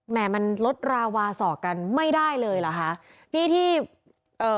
มันลดราวาสอกกันไม่ได้เลยเหรอคะนี่ที่เอ่อ